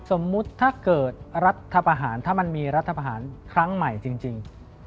สมมุติถ้าเกิดรัฐประหารถ้ามันมีรัฐประหารครั้งใหม่จริง